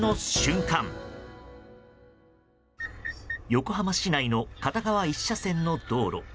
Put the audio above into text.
横浜市内の片側１車線の道路。